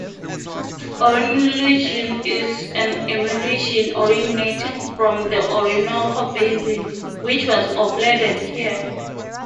Orimulsion is an emulsion originating from the Orinoco Basin, which was offloaded here.